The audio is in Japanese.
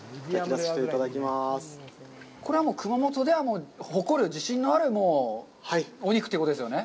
これは、熊本では誇る、自信のあるお肉ってことですよね？